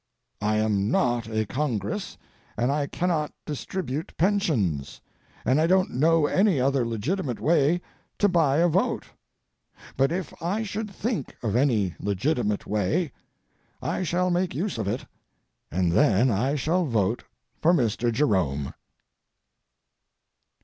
I am not a Congress, and I cannot distribute pensions, and I don't know any other legitimate way to buy a vote. But if I should think of any legitimate way, I shall make use of it, and then I shall vote for Mr. Jerome.